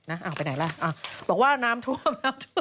อ้าวไปไหนล่ะบอกว่าน้ำท่วมแล้ว